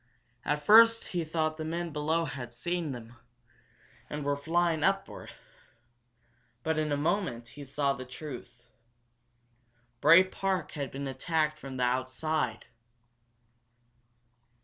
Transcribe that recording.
At first he thought the men below had seen them, and were firing upward. But in a moment he saw the truth. Bray Park had been attacked from outside!